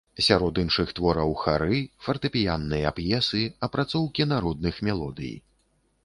Сярод іншых твораў хары, фартэпіянныя п'есы, апрацоўкі народных мелодый.